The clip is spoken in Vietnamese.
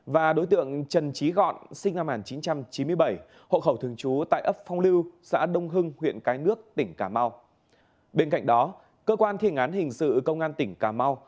và đối tượng trần trí gọn sinh năm một nghìn chín trăm chín mươi bảy hộ khẩu thường trú tại ấp phong lưu xã đông hưng huyện cái nước tỉnh cà mau